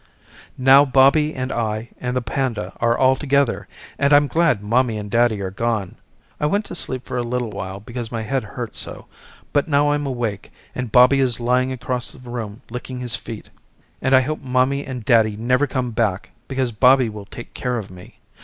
Now Bobby and I and the panda are all together and I'm glad mommy and daddy are gone. I went to sleep for a little while because my head hurt so but now I'm awake and Bobby is lying across the room licking his feet and I hope mommy and daddy never come back because Bobby will take care of me.